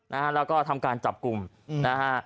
นะฮะแล้วก็ทำการจับกลุ่มนะฮะ